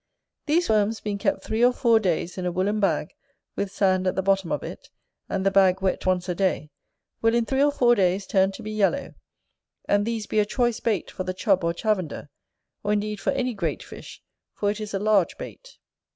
These worms being kept three or four days in a woollen bag, with sand at the bottom of it, and the bag wet once a day, will in three or four days turn to be yellow; and these be a choice bait for the Chub or Chavender, or indeed for any great fish, for it is a large bait.